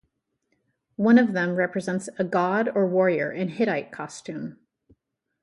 One of them represents a god or warrior in Hittite costume.